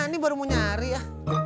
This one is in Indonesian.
ini baru mau nyari ya